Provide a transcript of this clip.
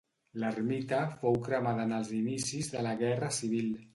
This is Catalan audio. L'Ermita fou cremada en els inicis de la Guerra Civil.